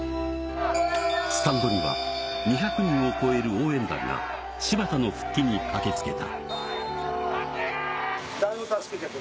スタンドには２００人を超える応援団が柴田の復帰に駆けつけた。